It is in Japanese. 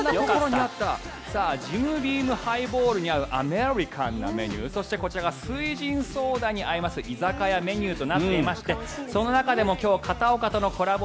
ジムビームハイボールに合うアメリカンなメニューそしてこちらが翠ジンソーダに合います居酒屋メニューとなっていますのでその中でも今日片岡とのコラボ